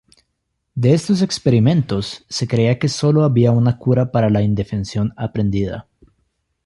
De estos experimentos, se creía que solo había una cura para la indefensión aprendida.